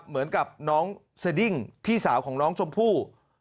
เหมือนกับน้องสดิ้งพี่สาวของน้องชมพู่